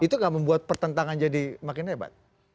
itu gak membuat pertentangan jadi makin hebat